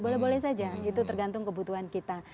boleh boleh saja itu tergantung kebutuhan kita